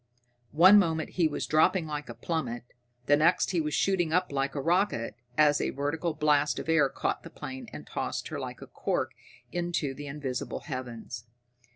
One moment he was dropping like a plummet, the next he was shooting up like a rocket as a vertical blast of air caught the plane and tossed her like a cork into the invisible heavens.